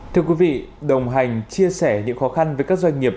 thưa quý vị đồng hành chia sẻ những khó khăn với các doanh nghiệp